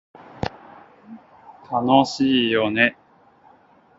楽しいよね